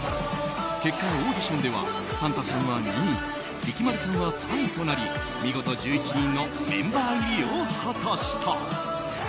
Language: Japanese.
結果オーディションでは賛多さんは２位力丸さんは３位となり見事１１人のメンバー入りを果たした。